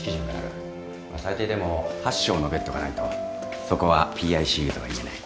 最低でも８床のベッドがないとそこはＰＩＣＵとは言えない。